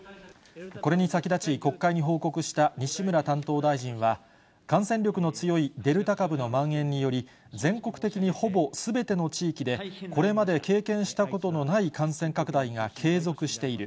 これに先立ち、国会に報告した西村担当大臣は、感染力の強いデルタ株のまん延により、全国的にほぼすべての地域で、これまで経験したことのない感染拡大が継続している。